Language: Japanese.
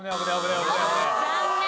残念。